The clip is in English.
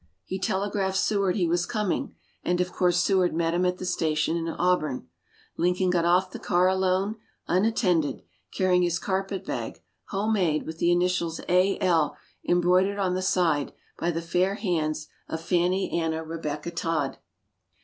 He telegraphed Seward he was coming, and, of course, Seward met him at the station in Auburn. Lincoln got off the car alone, unattended, carrying his carpetbag, homemade, with the initials "A.L." embroidered on the side by the fair hands of Fannie Anna Rebecca Todd.